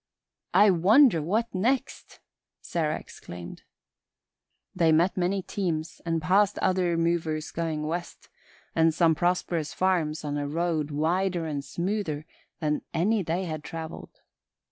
"I wonder what next!" Sarah exclaimed. They met many teams and passed other movers going west, and some prosperous farms on a road wider and smoother than any they had traveled.